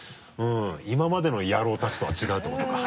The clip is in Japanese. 今までの野郎たちとは違うってことか。